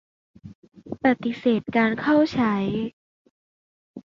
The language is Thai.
ปฏิเสธการเข้าใช้.